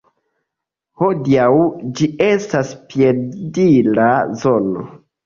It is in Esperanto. Hodiaŭ ĝi estas piedira zono.